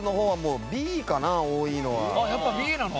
あっやっぱＢなの？